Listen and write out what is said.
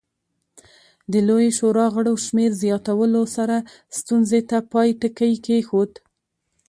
د لویې شورا غړو شمېر زیاتولو سره ستونزې ته پای ټکی کېښود.